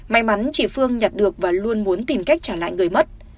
may mắn chị phương nhặt được và luôn muốn tìm cách trả lại người mất